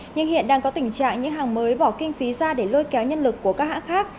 nhưng hiện đang có tình trạng những hàng mới bỏ kinh phí ra để lôi kéo nhân lực của các hãng khác